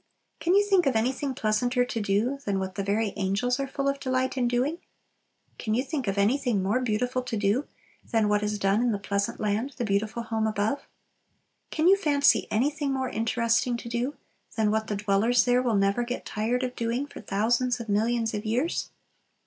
Can you think of anything pleasanter to do than what the very angels are full of delight in doing? Can you think of anything more beautiful to do than what is done in the "pleasant land," the beautiful home above? Can you fancy anything more interesting to do than what the dwellers there will never get tired of doing for thousands of millions of years?